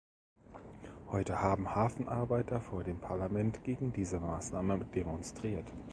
Heute haben Hafenarbeiter vor dem Parlament gegen diese Maßnahme demonstriert.